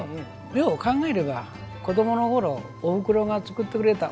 よう考えれば子どものころ、おふくろが作ってくれた